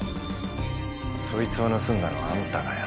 そいつを盗んだのはあんたかよ。